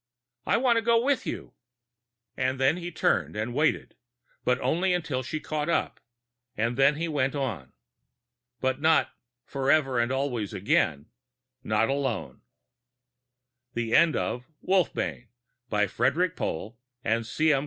I want to go with you!" And he turned and waited, but only until she caught up, and then he went on. But not forever and always again not alone. End of Project Gutenberg's Wolfbane, by Frederik Pohl and C. M.